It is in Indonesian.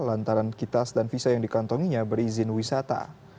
lantaran kitas dan visa yang dikantonginya berizin wisata